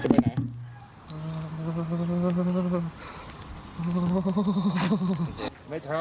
จะไปไหน